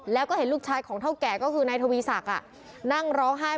แล้วก็เห็นลูกชายของเท่าแก่ก็คือนายทวีศักดิ์นั่งร้องไห้